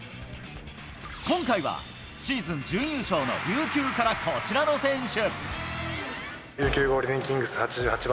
今回はシーズン準優勝の琉球からこちらの選手。